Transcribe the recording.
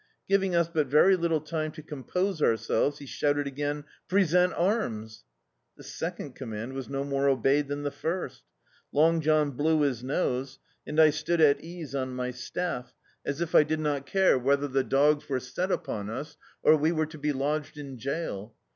Giving us but very little time to compose ourselves he shouted again — "Present Arms t" This second com mand was no more obeyed than the firsL Long John blew his nose, and I stood at ease on my staff, as thou^ I did not care whether the dogs were set [3151 D,i.i,dt, Google The Autobiography of a Super Tramp upon us or we were to be lodged in jail.